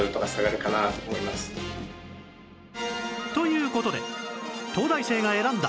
という事で東大生が選んだ！